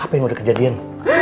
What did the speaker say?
apa yang udah kejadian